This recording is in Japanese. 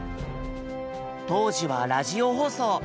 当時はラジオ放送。